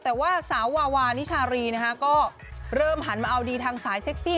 แต่ว่าสาววาวานิชารีนะคะก็เริ่มหันมาเอาดีทางสายเซ็กซี่